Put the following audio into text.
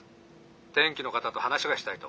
天気の方と話がしたいと。